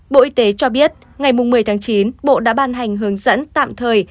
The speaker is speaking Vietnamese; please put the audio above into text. bộ y tế cho biết ngày một mươi tháng chín bộ đã ban hành hướng dẫn tạm thời